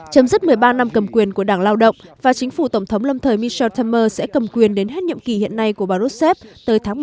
chấm dứt một mươi ba năm cầm quyền của đảng lao động và chính phủ tổng thống lâm thời michel temer sẽ cầm quyền đến hết nhiệm kỳ hiện nay của bà rousseff tới tháng một mươi hai năm hai nghìn một mươi tám